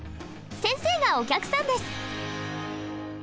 先生がお客さんです。